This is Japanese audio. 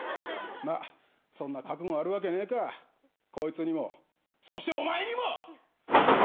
まあそんな覚悟あるわけねえかこいつにもそしてお前にも！